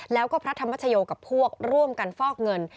แล้วก็พระธรรมชโยกับพวกร่วมกันฟอกเงิน